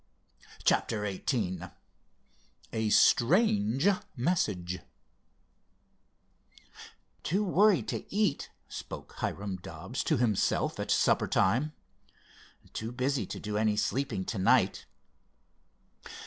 CHAPTER XVIII A STRANGE MESSAGE "Too worried to eat," spoke Hiram Dobbs to himself at supper time. "Too busy to do any sleeping to night."